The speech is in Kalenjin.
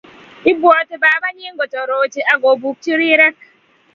ibwati babanyi kotorochi ak kopukchi rirek